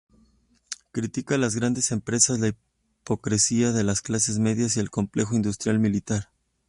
Critica las grandes empresas, la hipocresía de las clases medias y el complejo industrial-militar.